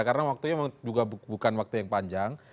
karena waktunya memang juga bukan waktu yang panjang